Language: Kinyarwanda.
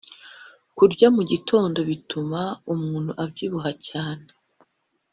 kurya mugitondo bituma umuntu abyibuha cyane